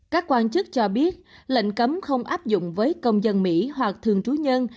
các quan chức cho biết lệnh cấm không áp dụng với công dân mỹ hoặc thường trú nhân